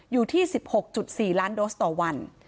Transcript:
อยู่ที่๑๖๔ล้านโดสต่อวัน